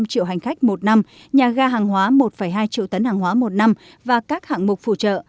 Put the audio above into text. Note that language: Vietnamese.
một nhà ga hành khách một năm nhà ga hàng hóa một hai triệu tấn hàng hóa một năm và các hạng mục phụ trợ